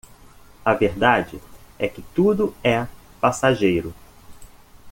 A verdade é que tudo é passageiro.